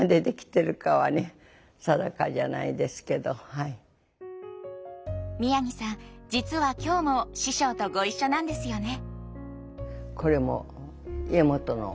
やっぱり宮城さん実は今日も師匠とご一緒なんですよね。